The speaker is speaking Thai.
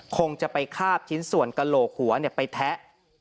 คงจะไปคาบชิ้นส่วนกระโหลกหัวไปแทะ